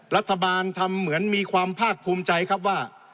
รัฐบาลทำเหมือนมีความภาคภูมิใจครับว่า